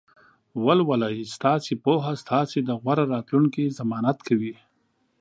ولولئ! ستاسې پوهه ستاسې د غوره راتلونکي ضمانت کوي.